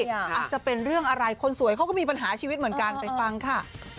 อาจจะเป็นเรื่องอะไรคนสวยเขาก็มีปัญหาชีวิตเหมือนกันไปฟังค่ะ